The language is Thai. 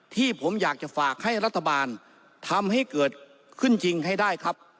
ที่ผมอยากจะฝากให้รัฐบาลทำให้เกิดขึ้นจริงให้ได้ครับ